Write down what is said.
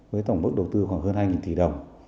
với tổng mức đầu tư khoảng hơn hai tỷ đồng